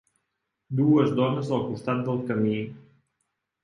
Dues dones al costat del camí.